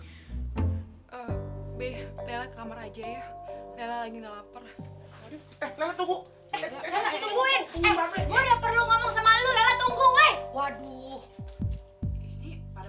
tapi dia lagi patah hati yang mesti menyala main cari si force nggak numpuri sayang kagak lama ya